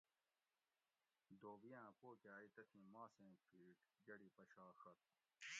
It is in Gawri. دھوبیاۤں پوکہ ائی تتھی ماسیں پِھیٹ گۤڑی پشاڛت